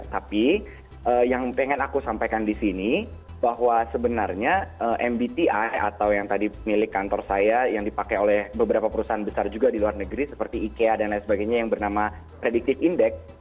tapi yang pengen aku sampaikan di sini bahwa sebenarnya mbti atau yang tadi milik kantor saya yang dipakai oleh beberapa perusahaan besar juga di luar negeri seperti ikea dan lain sebagainya yang bernama predictive index